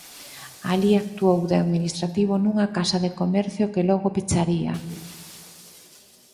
Alí actuou de administrativo nunha casa de comercio que logo pecharía.